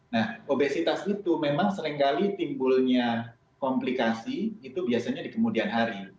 nah obesitas itu memang seringkali timbulnya komplikasi itu biasanya di kemudian hari